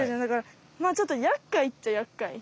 まあちょっとやっかいっちゃやっかい。